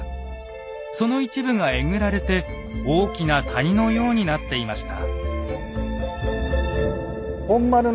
その一部がえぐられて大きな谷のようになっていました。